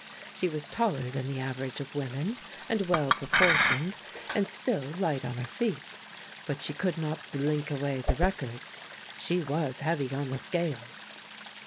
She was taller than the average of women, and well proportioned, and still light on her feet; but she could not blink away the records; she was heavy on the scales.